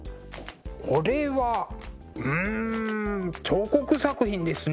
これはうん彫刻作品ですね。